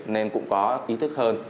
nên cũng có ý thức hơn